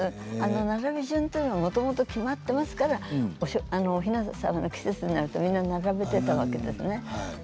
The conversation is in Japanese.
並び順はもともと決まっていますからおひな様の季節になると皆、並べていたわけですね。